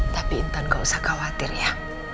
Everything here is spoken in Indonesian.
tapi intan gak usah khawatir ya